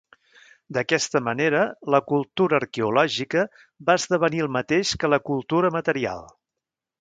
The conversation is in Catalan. D'aquesta manera, la cultura arqueològica va esdevenir el mateix que la cultura material.